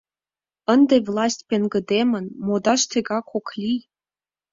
Ынде власть пеҥгыдемын, модаш тегак ок лий!